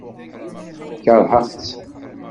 Keṛheɣ-tt.